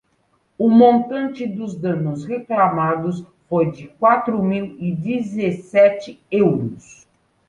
O montante dos danos reclamados foi de quatro mil e dezassete euros.